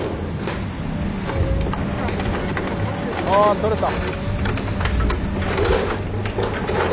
ああ取れた！